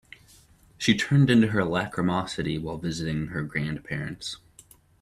She turned into her lachrymosity while visiting her grandparents.